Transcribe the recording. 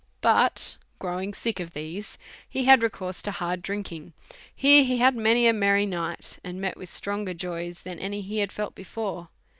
But growing sick of these, he had recourse to hard drinking. Here he had a merry night, and met with stronger joys than any he had felt before.